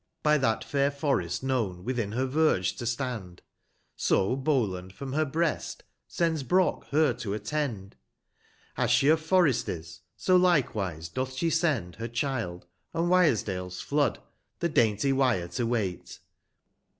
By that fair Forest known, within her verge to stand. ico So Boivland from her breast sends Brock her to attend. As she a Forest is, so likewise doth she send Her child, on IFijresdnMa Flood, the dainty JFyre to wait.